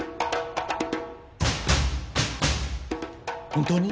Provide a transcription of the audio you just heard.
本当に？